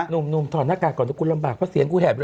หนุ่มถอดหน้ากากก่อนเดี๋ยวกูลำบากเพราะเสียงกูแหบเลย